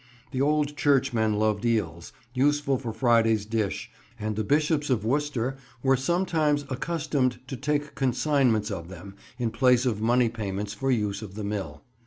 The old churchmen loved eels, useful for Friday's dish, and the Bishops of Worcester were sometimes accustomed to take consignments of them in place of money payments for use of the mill.